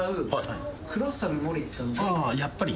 あやっぱり。